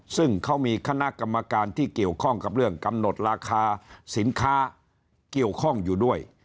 ซึ่งเขามีคณะกรรมการที่เกี่ยวข้องกับเรื่องกำหนดราคาสินค้าเกี่ยวข้องอยู่ด้วย